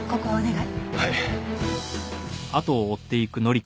はい。